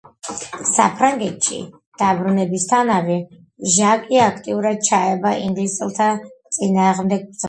საფრანგეთში დაბრუნებისთანავე, ჟაკი აქტიურად ჩაება ინგლისელთა წინააღმდეგ ბრძოლაში.